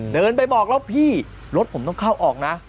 เดินไปบอกแล้วพี่รถผมต้องเข้าออกนะ